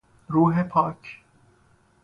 روح پاک